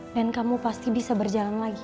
dan kamu pasti bisa berjalan lagi